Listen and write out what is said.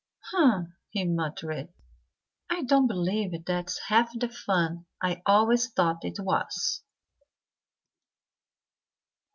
"Humph!" he muttered. "I don't believe that's half the fun I always thought it was."